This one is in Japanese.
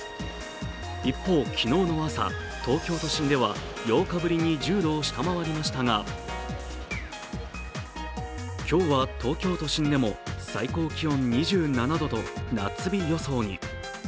一方、昨日の朝、東京都心では８日ぶりに１０度を下回りましたが今日は東京都心でも最高気温２７度と夏日予想に。